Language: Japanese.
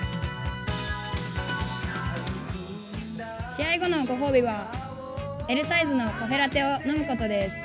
試合後のご褒美は、Ｌサイズのカフェラテを飲むことです。